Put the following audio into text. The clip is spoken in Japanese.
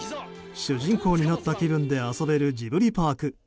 主人公になった気分で遊べるジブリパーク。